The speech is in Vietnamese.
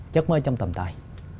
giấc mơ trong tầm tài